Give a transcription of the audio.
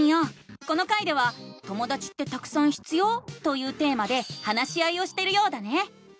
この回では「ともだちってたくさん必要？」というテーマで話し合いをしてるようだね！